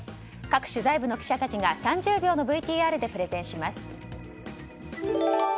各取材部の記者たちが３０秒のＶＴＲでプレゼンします。